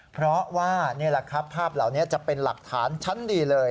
เพราะว่าสิ่งหลักภาพหนึ่งจะเป็นหลักฐานชั้นดีเลย